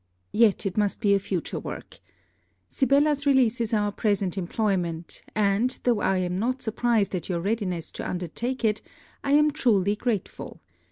Yet, it must be a future work. Sibella's release is our present employment; and, though I am not surprised at your readiness to undertake it, I am truly grateful.